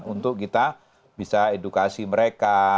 untuk kita bisa edukasi mereka